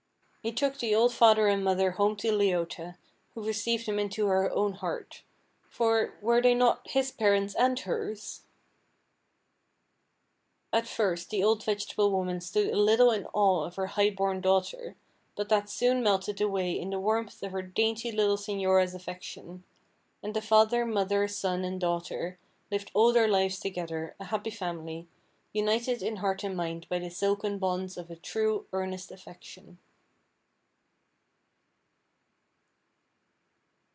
He took the old father and mother home to Leota, who received them into her own heart; for, were they not his parents and hers? At first the old vegetable woman stood a little in awe of her high born daughter, but that soon melted away in the warmth of the dainty little Señora's affection; and the father, mother, son, and daughter, lived all their lives together, a happy family, united in heart and mind by the silken bonds of a true, earnest affection.